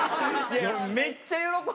めっちゃ喜ぶ。